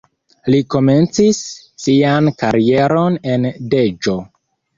Li komencis sian karieron en Deĵo.